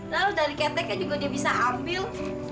lalu dari keteknya juga dia bisa ambil